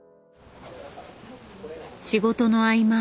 仕事の合間。